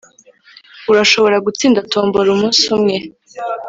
urashobora gutsinda tombora umunsi umwe.